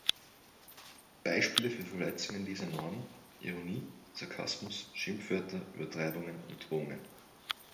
Beispiele für Verletzungen dieser Norm: Ironie, Sarkasmus, Schimpfwörter, Übertreibungen und Drohungen.